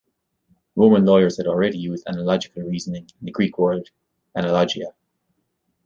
Roman lawyers had already used analogical reasoning and the Greek word "analogia".